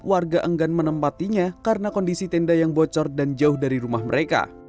warga enggan menempatinya karena kondisi tenda yang bocor dan jauh dari rumah mereka